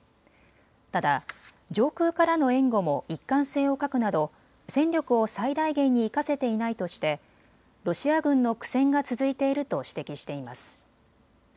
ただ上空からの援護も一貫性を欠くなど戦力を最大限に生かせていないとしてロシア軍の苦戦が続いていると指摘しています。